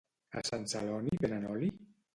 a Sant Celoni venen oli?